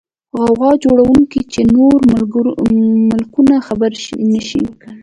غوغا جوړه نکې چې نور ملکونه خبر نشي.